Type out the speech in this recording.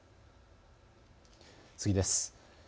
次です。